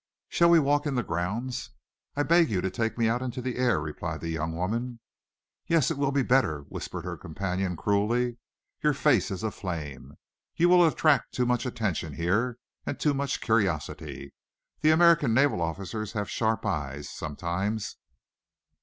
"Shall we walk in the grounds?" "I beg you to take me out into the air," replied the young woman. "Yes, it will be better," whispered her companion, cruelly. "Your face is aflame. You will attract too much attention here, and too much curiosity. The American naval officers have sharp eyes sometimes!"